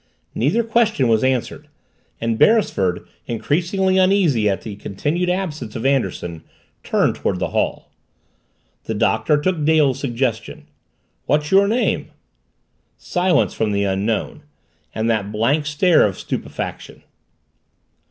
Neither question was answered, and Beresford, increasingly uneasy at the continued absence of Anderson, turned toward the hall. The Doctor took Dale's suggestion. "What's your name?" Silence from the Unknown and that blank stare of stupefaction.